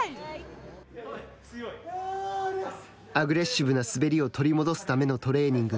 アグレッシブな滑りを取り戻すためのトレーニング。